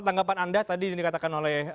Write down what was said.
tanggapan anda tadi yang dikatakan oleh